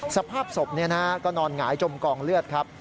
สภาพศพก็นอนหงายจมกองเลือดครับ